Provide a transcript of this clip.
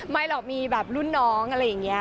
ไม่หรอกมีแบบรุ่นน้องอะไรอย่างนี้